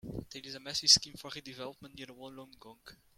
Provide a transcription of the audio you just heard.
There is a massive scheme for redevelopment near Wollongong.